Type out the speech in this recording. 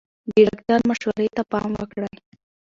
د ډاکټر مشورې ته پام وکړئ.